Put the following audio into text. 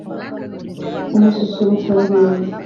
umususurutsa ruhimbiiii